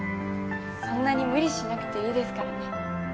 そんなに無理しなくていいですからね。